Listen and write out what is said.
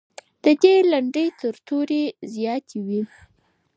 د دې لنډۍ تر تورې زیاتې وې.